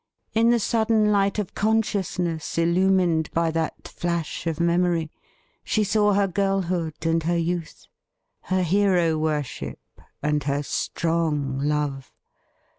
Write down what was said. In the sudden light of consciousness illumined by that flash of memory, she saw her girlhood and her youth — ^her hero worship and her strong love.